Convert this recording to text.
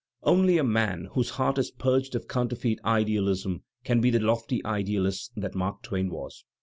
Only a man whose heart is purged of counterfeit idealism can be the lofty idealist that Mark Twain was.